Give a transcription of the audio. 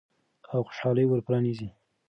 او د خوشحالۍ ور پرانیزئ.